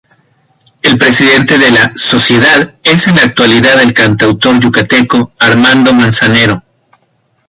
El presidente de la "Sociedad" es en la actualidad el cantautor yucateco Armando Manzanero.